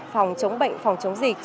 phòng chống bệnh phòng chống dịch